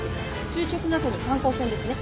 昼食の後に観光船ですね。